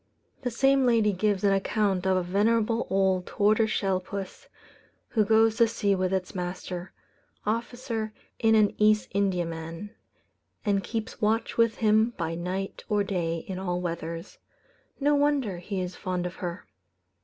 The same lady gives an account of a venerable old tortoise shell puss, who goes to sea with its master, officer in an East Indiaman, and keeps watch with him by night or day in all weathers. No wonder he is fond of her.